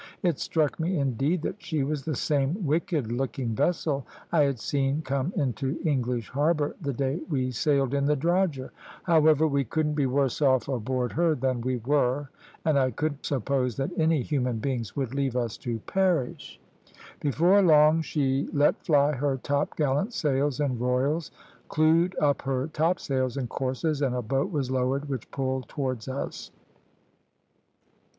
It struck me, indeed, that she was the same wicked looking vessel I had seen come into English Harbour the day we sailed in the drogher. However, we couldn't be worse off aboard her than we were, and I couldn't suppose that any human beings would leave us to perish. Before long she let fly her topgallant sails and royals, clewed up her topsails and courses, and a boat was lowered, which pulled towards us.